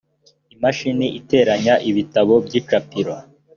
imashini iteranya ibitabo mu icapirol